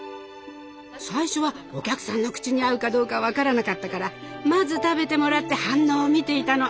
最初はお客さんの口に合うかどうか分からなかったからまず食べてもらって反応を見ていたの。